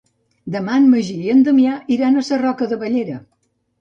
Demà en Magí i na Damià iran a Sarroca de Bellera.